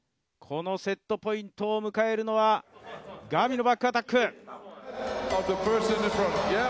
このセットポイントを迎えるのはガビのバックアタック。